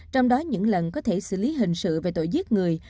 trong đó những lần có thể xử lý hình sự về tội giết người